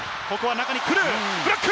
中にくる、ブロック！